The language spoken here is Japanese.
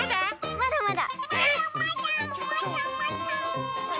まだまだ。